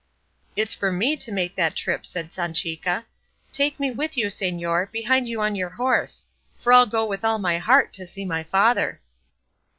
"It's for me to make that trip," said Sanchica; "take me with you, señor, behind you on your horse; for I'll go with all my heart to see my father."